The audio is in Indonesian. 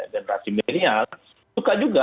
generasi milenial suka juga